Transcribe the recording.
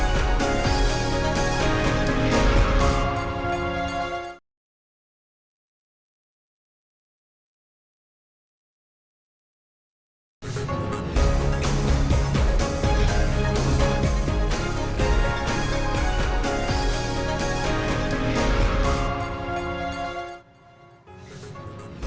di sini lagi terbukti